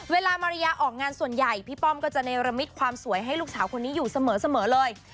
เวลามาริยาออกงานส่วนใหญ่พี่ป้อมก็จะเนรมิตความสวยให้ลูกสาวคนนี้อยู่เสมอเลย